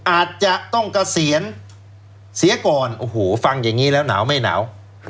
อาจจะต้องเกษียณเสียก่อนโอ้โหฟังอย่างนี้แล้วหนาวไม่หนาว